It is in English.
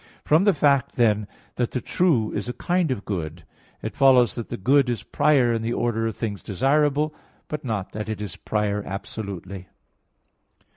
From the fact, then, that the true is a kind of good, it follows that the good is prior in the order of things desirable; but not that it is prior absolutely.